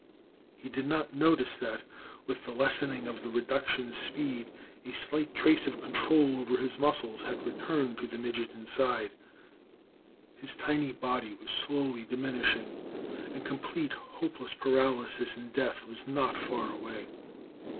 He did not notice that, with the lessening of the reduction's speed, a slight trace of control over his muscles had returned to the midget inside. His tiny body was slowly diminishing, and complete, hopeless paralysis and death was not far away.